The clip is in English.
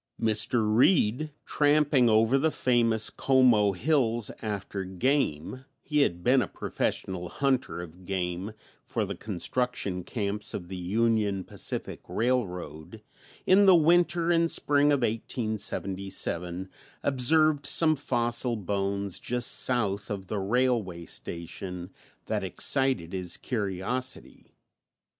Mr. Reed, tramping over the famous Como hills after game he had been a professional hunter of game for the construction camps of the Union Pacific Railroad in the winter and spring of 1877, observed some fossil bones just south of the railway station that excited his curiosity.